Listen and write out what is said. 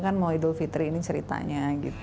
kan mau idul fitri ini ceritanya